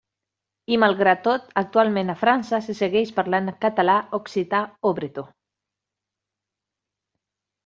I malgrat tot, actualment a França se segueix parlant català, occità o bretó.